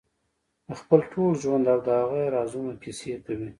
د خپل ټول ژوند او د هغه رازونو کیسې کوي.